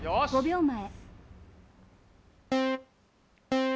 「５秒前」。